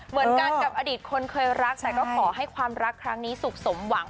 เหมือนกันกับอดีตคนเคยรักแต่ก็ขอให้ความรักครั้งนี้สุขสมหวัง